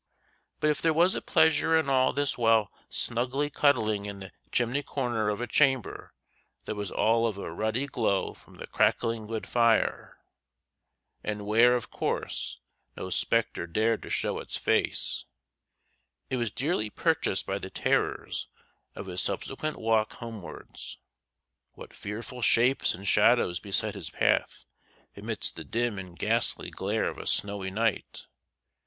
But if there was a pleasure in all this while snugly cuddling in the chimney corner of a chamber that was all of a ruddy glow from the crackling wood fire, and where, of course, no spectre dared to show its face, it was dearly purchased by the terrors of his subsequent walk homewards. What fearful shapes and shadows beset his path amidst the dim and ghastly glare of a snowy night!